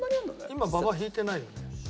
今ババ引いてないよね？